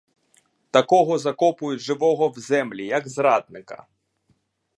Такого закопують живого в землі як зрадника.